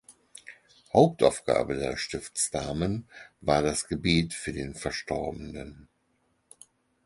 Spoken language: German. Hauptaufgabe der Stiftsdamen war das Gebet für den Verstorbenen.